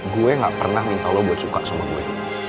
gue gak pernah minta lo buat suka sama gue